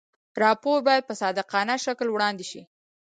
راپور باید په صادقانه شکل وړاندې شي.